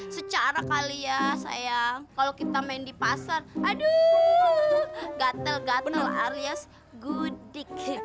secara kali ya sayang kalau kita main di pasar aduh gatel gatel alias gudik